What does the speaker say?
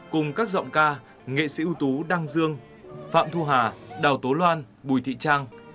cùng các giọng ca nghệ sĩ ưu tú đăng dương phạm thu hà đào tố loan bùi thị trang